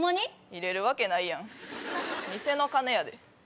入れるわけないやん店の金やで。